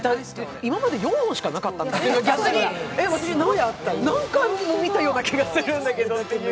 今まで４話までしかなかったけど逆に、私、何回も見たような気がするんだけどっていう。